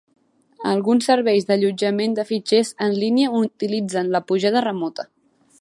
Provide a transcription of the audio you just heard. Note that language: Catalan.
Alguns serveis d"allotjament de fitxers en línia utilitzen la pujada remota.